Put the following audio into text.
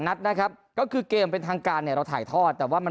นัดนะครับก็คือเกมเป็นทางการเนี่ยเราถ่ายทอดแต่ว่ามัน